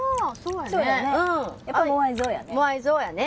やっぱモアイ像やね。